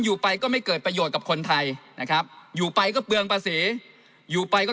อยู่ไปก็ไม่เกิดประโยชน์กับคนไทยนะครับอยู่ไปก็เปลืองภาษีอยู่ไปก็